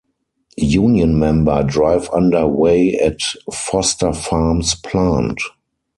Union member drive under way at Foster Farms plant.